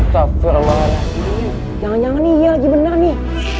jangan jangan ini lagi benar nih